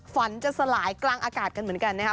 ฝนจะสลายกลางอากาศกันเหมือนกันนะครับ